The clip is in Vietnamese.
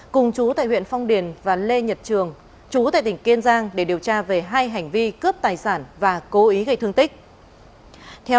cùng chú tại huyện phong điền và lê nhật trường chú tại tỉnh kiên giang để điều tra về hai hành vi cướp tài sản và cố ý gây thương tích